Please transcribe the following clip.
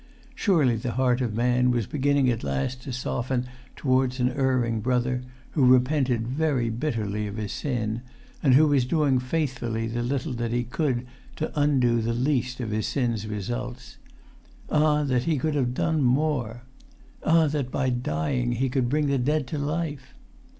Surely the heart of man was beginning at last to soften towards an erring brother, who repented very bitterly of his sin, and who was doing faithfully the little that he could to undo the least of his sin's results. Ah, that he could have done more! Ah, that by dying he could bring the dead to life!